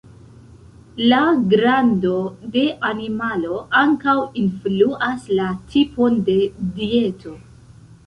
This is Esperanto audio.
La grando de animalo ankaŭ influas la tipon de dieto.